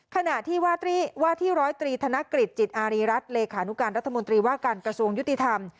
ขณะที่ว่าที่ร้อยตรีธนกฤษจิตอารีรัฐเลขานุการรัฐมนตรีว่าการกระทรวงยุติธรรม